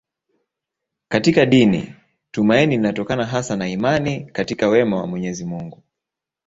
Katika dini tumaini linatokana hasa na imani katika wema wa Mwenyezi Mungu.